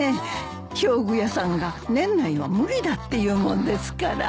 表具屋さんが年内は無理だって言うもんですから。